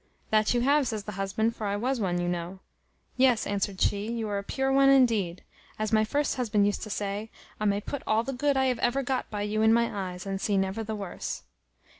"That you have," says the husband; "for I was one, you know." "Yes," answered she, "you are a pure one indeed. As my first husband used to say, I may put all the good I have ever got by you in my eyes, and see never the worse."